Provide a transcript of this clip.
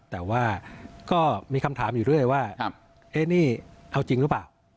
แต่ว่าก็มีคำถามอยู่เรื่อยว่านี่เอาจริงหรือเปล่า